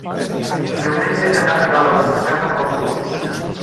diumenge he d'anar a Vilalba Sasserra amb autobús.